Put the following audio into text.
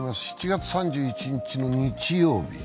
７月３１日の日曜日。